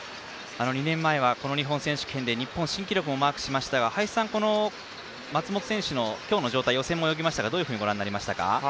２年前は日本選手権で日本新記録も達成しましたが林さん、松元選手の今日の状態予選も泳ぎましたがどういうふうにご覧になりましたか？